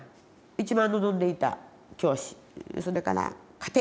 一番望んでいた教師それから家庭。